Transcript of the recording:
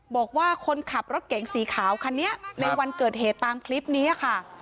บอกว่าคนขับรถเก๋งสีขาวคันนี้ในวันเกิดเหตุตามคลิปนี้ค่ะ